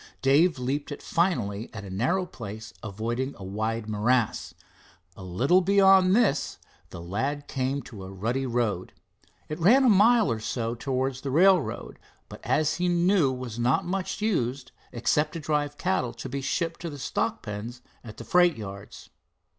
Dave leaped it finally at a narrow place, avoiding a wide morass. A little beyond this the lad came to a rutty road. It ran a mile or more to the railroad, but as he knew was not much used except to drive cattle to be shipped to the stock pens at the freight yards.